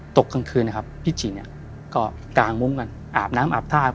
ตกกลางคืนพี่จิกก็กลางมุมกันอาบน้ำอาบท่า